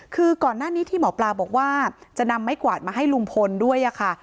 คือก่อนหน้านี้ที่หมอปลาบอกว่าจะนำไม้กวาดมาให้ลุงพลด้วยค่ะ